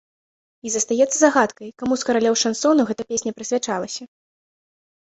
І застаецца загадкай, каму з каралёў шансону гэта песня прысвячалася.